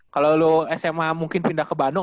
kalau lu sma mungkin pindah ke bandung